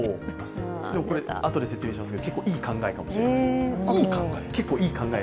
あとで説明しますけど、それは結構いい考えかもしれないです。